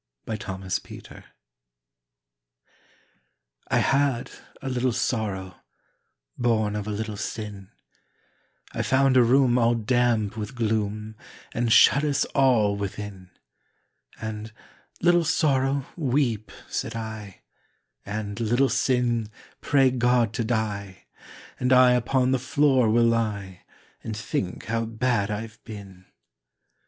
63 The Penitent I had a little Sorrow, Born of a little Sin, I found a room all damp with gloom And shut us all within; And, "Little Sorrow, weep," said I, "And, Little Sin, pray God to die, And I upon the floor will lie And think how bad I've been!"